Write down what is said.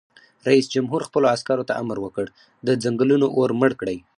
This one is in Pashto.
رئیس جمهور خپلو عسکرو ته امر وکړ؛ د ځنګلونو اور مړ کړئ!